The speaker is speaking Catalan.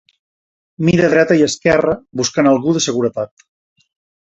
Mira a dreta i esquerra, buscant algú de seguretat.